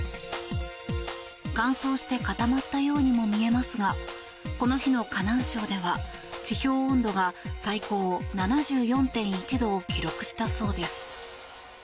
乾燥して固まったようにも見えますがこの日の河南省では地表温度が最高７４．１度を記録したそうです。